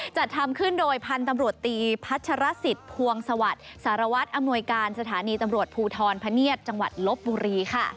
จัดทำขึ้นโดยพันธุ์ตำรวจตีพัชรสิทธิ์ภวงสวัสดิ์สารวัตรอำนวยการสถานีตำรวจภูทรพเนียดจังหวัดลบบุรีค่ะ